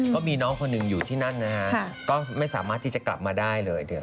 ก็มีน้องคนหนึ่งอยู่ที่นั่นนะฮะก็ไม่สามารถที่จะกลับมาได้เลย